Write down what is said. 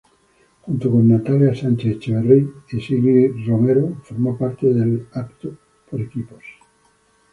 Junto con Natalia Sánchez Echeverri y Sigrid Romero formó parte del evento por equipos.